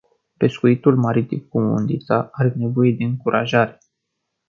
Pescuitul maritim cu undița are nevoie de încurajare.